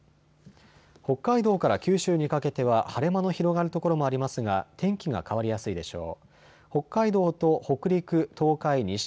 北海道から九州にかけては晴れ間の広がる所もありますが天気が変わりやすいでしょう。